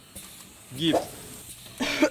入